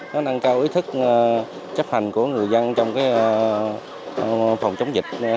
nó nâng cao ý thức chấp hành của người dân